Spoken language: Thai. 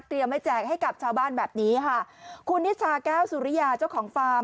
ไม่แจกให้กับชาวบ้านแบบนี้ค่ะคุณนิชาแก้วสุริยาเจ้าของฟาร์ม